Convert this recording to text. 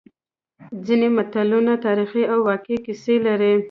ځینې متلونه تاریخي او واقعي کیسې لري